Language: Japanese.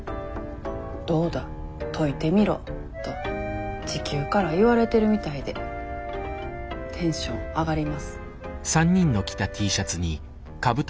「どうだ解いてみろ」と地球から言われてるみたいでテンション上がります。